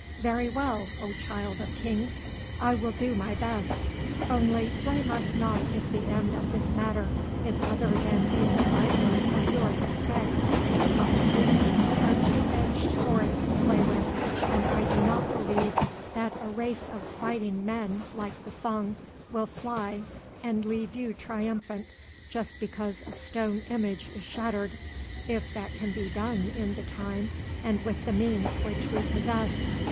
"Very well, O Child of Kings, I will do my best. Only blame us not if the end of this matter is other than these advisers of yours expect. Prophecies are two edged swords to play with, and I do not believe that a race of fighting men like the Fung will fly and leave you triumphant just because a stone image is shattered, if that can be done in the time and with the means which we possess.